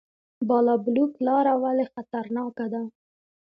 بالابلوک لاره ولې خطرناکه ده؟